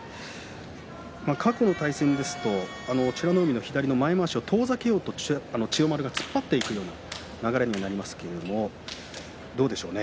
過去の対戦では美ノ海の左の前まわしを遠ざけようと千代丸が突っ張っていく流れになりますがどうでしょうか。